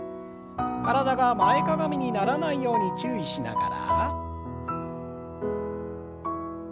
体が前かがみにならないように注意しながら。